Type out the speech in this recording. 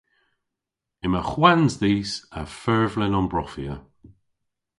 Yma hwans dhis a furvlen ombrofya.